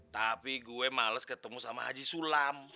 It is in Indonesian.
tapi gue males ketemu sama haji sulam